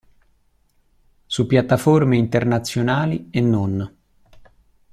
Su piattaforme internazionali e non.